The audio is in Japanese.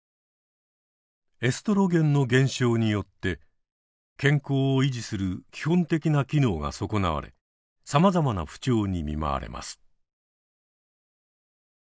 エストロゲンの減少によって健康を維持する基本的な機能が損なわれさまざまな不調に見舞われます。